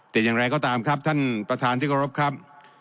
แต่อย่างไรก็ตามครับท่านประธานที่เคารพครับ